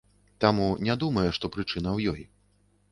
Таму не думае, што прычына ў ёй.